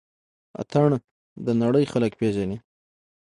اتڼ د نړۍ خلک پيژني